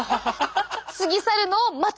過ぎ去るのを待つ！